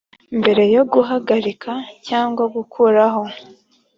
mbere yo guhagarika cyangwa gukuraho